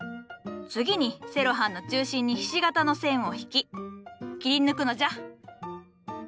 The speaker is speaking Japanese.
次にセロハンの中心にひし形に線を引き切り抜くのじゃ。